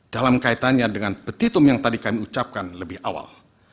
dalam kaitannya dengan petitum yang tadi kami ucapkan lebih awal